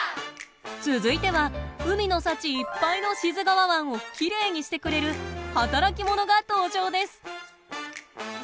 続いては海の幸いっぱいの志津川湾をきれいにしてくれる働き者が登場です。